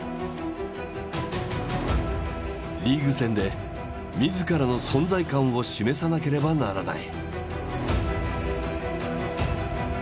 リーグ戦で自らの存在感を示さなければならない。